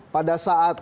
pada saat itu